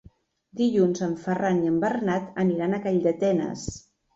Dilluns en Ferran i en Bernat aniran a Calldetenes.